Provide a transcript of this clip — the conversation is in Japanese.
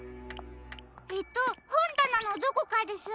えっとほんだなのどこかです。